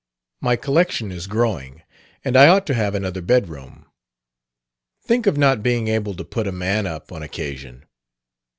My collection is growing; and I ought to have another bedroom. Think of not being able to put a man up, on occasion!